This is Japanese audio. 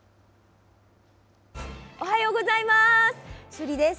おはようございます。